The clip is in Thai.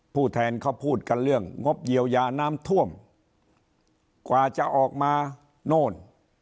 ผู้แทนเขาพูดกันเรื่องงบเยียวยาน้ำท่วมกว่าจะออกมาโน่น